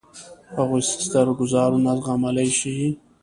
هغوی ستر ګوزارونه زغملای شي.